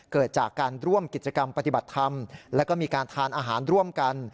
เกิดจากการร่วมกิจกรรมปฏิบัติธรรมแล้วก็มีการทานอาหารร่วมกัน